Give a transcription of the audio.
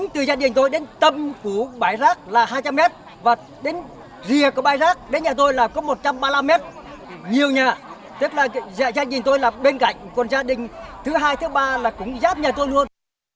tức là gia đình tôi là bên cạnh còn gia đình thứ hai thứ ba là cũng giáp nhà tôi luôn